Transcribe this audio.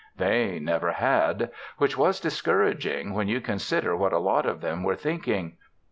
They never had, which was discouraging when you consider what a lot of them were thinking.